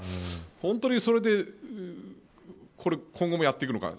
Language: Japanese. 本当にそれでこれ、今後もやっていくのか。